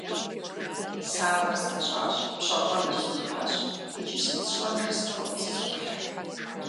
Сабэр слъэщӏащ, пщэфӏэныр сухащ, иджы сыт сщӏэн жысӏэу зызоплъыхь.